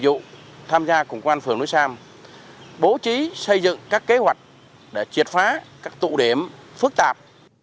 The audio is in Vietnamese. dự dụng tham gia cùng công an phường núi sam bố trí xây dựng các kế hoạch để triệt phá các tụ điểm phức tạp